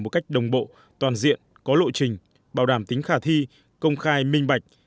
một cách đồng bộ toàn diện có lộ trình bảo đảm tính khả thi công khai minh bạch